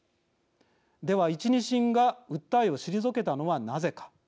では１、２審が訴えを退けたのはなぜか。